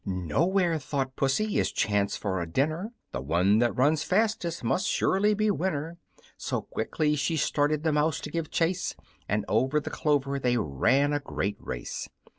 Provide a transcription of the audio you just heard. "Now here," thought our Pussy, "is chance for a dinner; The one that runs fastest must surely be winner!" So quickly she started the mouse to give chase, And over the clover they ran a great race.